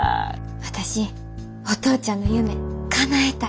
私お父ちゃんの夢かなえたい。